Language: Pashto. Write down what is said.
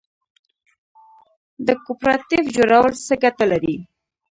د کوپراتیف جوړول څه ګټه لري؟